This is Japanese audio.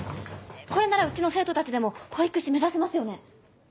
これならうちの生徒たちでも保育士目指せますよね？